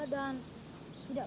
dan tidak mau mengalah